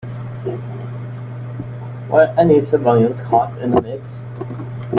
Were any civilians caught in the mix?